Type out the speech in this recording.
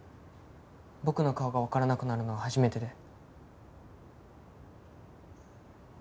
僕の顔がわからなくなるのは初めてで。